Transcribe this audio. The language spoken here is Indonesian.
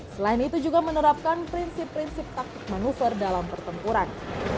selain itu juga menerapkan prinsip prinsip taktik manuver dalam pertempuran